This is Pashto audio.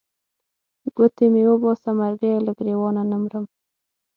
ګوتې مې وباسه مرګیه له ګرېوانه نه مرم.